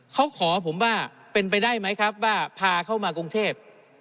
เขาขอผมว่าเป็นไปได้ไหมครับว่าพาเข้ามากรุงเทพ